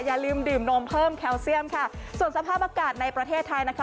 อย่าลืมดื่มนมเพิ่มแคลเซียมค่ะส่วนสภาพอากาศในประเทศไทยนะคะ